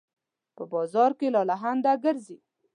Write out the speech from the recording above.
په بازار کې لالهانده ګرځي